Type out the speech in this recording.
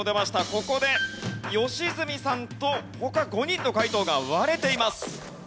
ここで良純さんと他５人の解答が割れています。